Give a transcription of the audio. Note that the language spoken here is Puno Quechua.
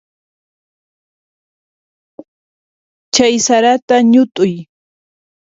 Chay sarata ñut'uy.